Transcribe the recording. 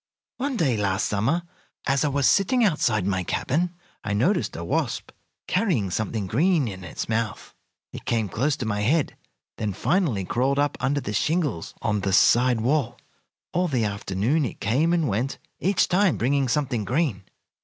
"One day last summer, as I was sitting outside my cabin, I noticed a wasp carrying something green in its mouth. It came close to my head, then finally crawled up under the shingles on the side wall. All the afternoon it came and went, each time bringing something green.